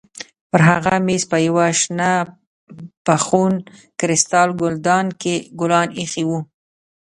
پر هغه مېز په یوه شنه بخون کریسټال ګلدان کې ګلان ایښي وو.